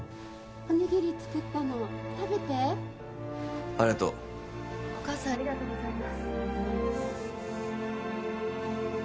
おにぎり作ったの食べてありがとうお義母さんありがとうございます